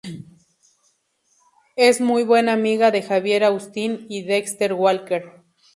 Es muy buen amiga de Xavier Austin y Dexter Walker.